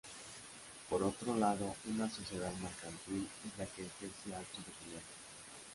Por otro lado, una sociedad mercantil es la que ejerce actos de comercio.